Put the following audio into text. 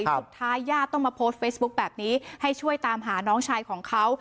ญาติต้องมาโพสต์เฟซบุ๊คแบบนี้ให้ช่วยตามหาน้องชายของเขา